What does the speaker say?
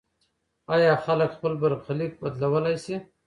آیا خلک خپل برخلیک بدلولی سي؟